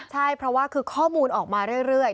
ใช่เพราะว่าคือข้อมูลออกมาเรื่อย